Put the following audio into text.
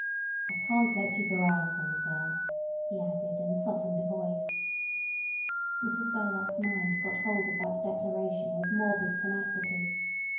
I can't let you go out, old girl," he added in a softened voice. Mrs Verloc's mind got hold of that declaration with morbid tenacity.